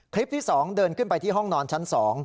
ที่๒เดินขึ้นไปที่ห้องนอนชั้น๒